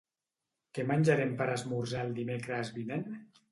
Què menjarem per esmorzar el dimecres vinent?